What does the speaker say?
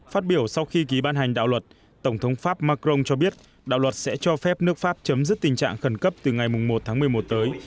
phát biểu sau khi ký ban hành đạo luật tổng thống pháp macron cho biết đạo luật sẽ cho phép nước pháp chấm dứt tình trạng khẩn cấp từ ngày một tháng một mươi một tới